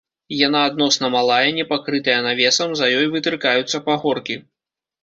Яна адносна малая, не пакрытая навесам, за ёй вытыркаюцца пагоркі.